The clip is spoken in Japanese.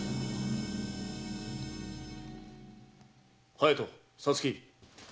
隼人皐月。